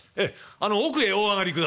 あの奥へお上がりください」。